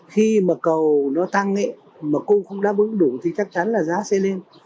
khi mà cầu nó tăng mà cung không đáp ứng đủ thì chắc chắn là giá sẽ lên